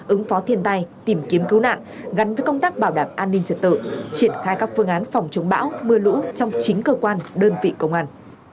ứng phó thiên tai tìm kiếm cứu nạn gắn với công tác bảo đảm an ninh trật tự triển khai các phương án phòng chống bão mưa lũ trong chính cơ quan đơn vị công an